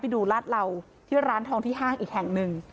ไปดูรัฐเราที่ร้านทองที่ห้างอีกแห่งนึง